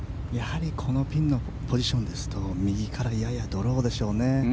このピンのポジションですと右から、ややドローでしょうね。